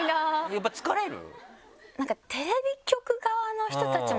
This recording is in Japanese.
やっぱ疲れる？